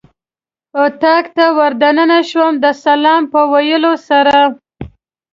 اتاق ته ور دننه شوم د سلام په ویلو سره.